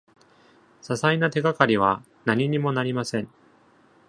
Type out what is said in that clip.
些細な手がかりは何にもなりません。